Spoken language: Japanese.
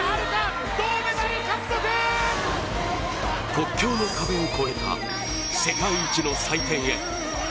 国境の壁を越えた世界一の祭典へ。